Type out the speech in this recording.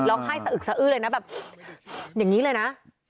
ให้สะอึกสะอื้อเลยนะแบบอย่างนี้เลยนะ